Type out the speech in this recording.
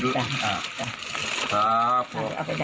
จ๊ะจ๊ะจ๊ะ